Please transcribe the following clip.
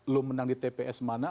lo menang di tps mana